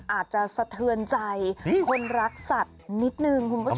อาจจะสะเทือนใจคนรักสัตว์นิดนึงคุณผู้ชม